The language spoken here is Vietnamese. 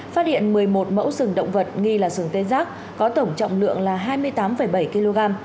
phát hiện một mươi một mẫu sừng động vật nghi là sừng tê giác có tổng trọng lượng là hai mươi tám bảy kg